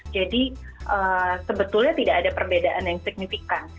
jadi sebetulnya tidak ada perbedaan yang signifikan